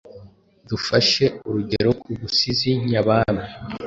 Dufashe urugero ku busizi nyabami: